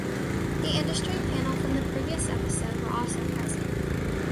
The industry panel from the previous episode were also present.